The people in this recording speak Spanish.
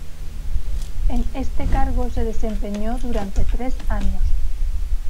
En este cargo se desempeñó durante tres años.